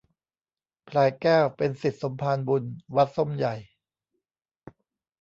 พลายแก้วเป็นศิษย์สมภารบุญ วัดส้มใหญ่